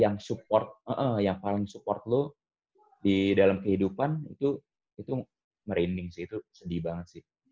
yang support yang paling support lu di dalam kehidupan itu merinding sih itu sedih banget sih